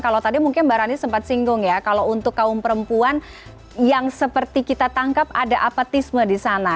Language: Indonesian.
kalau tadi mungkin mbak rani sempat singgung ya kalau untuk kaum perempuan yang seperti kita tangkap ada apatisme di sana